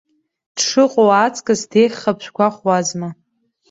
Дшыҟоу аҵкыс деиӷьхап шәгәахәуазма?